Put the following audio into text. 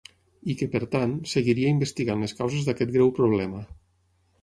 I que per tant, seguiria investigant les causes d’aquest greu problema.